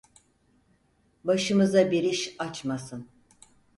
Başımıza bir iş açmasın…